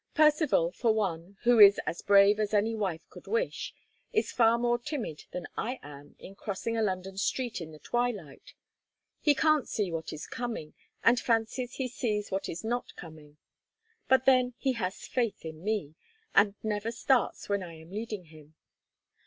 Percivale, for one, who is as brave as any wife could wish, is far more timid than I am in crossing a London street in the twilight; he can't see what is coming, and fancies he sees what is not coming. But then he has faith in me, and never starts when I am leading him.